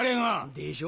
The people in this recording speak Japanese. でしょ？